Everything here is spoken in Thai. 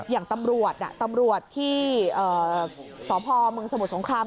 อย่างตำรวจตำรวจที่สพเมืองสมุทรสงคราม